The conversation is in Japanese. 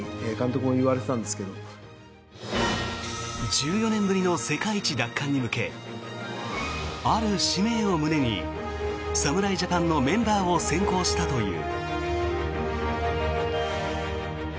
１４年ぶりの世界一奪還に向けある使命を胸に侍ジャパンのメンバーを選考したという。